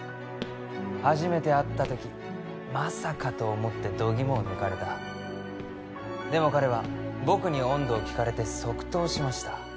初めて会った時まさかと思って度肝を抜かれたでも彼は僕に温度を聞かれて即答しました